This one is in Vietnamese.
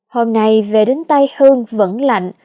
hôm nay về đến tay hương vẫn lạnh